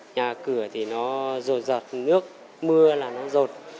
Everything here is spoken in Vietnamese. nhà cửa thì nó rột rợt nước mưa là nó rột